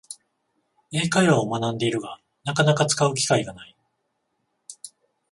英会話を学んでいるが、なかなか使う機会がない